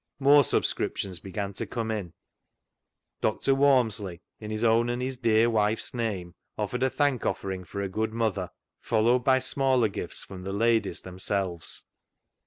More subscriptions began to come in. Dr. Walmsley, in his own and his " dear wife's " name, offered a thankoffering for a good mother, followed by smaller gifts from the ladies themselves.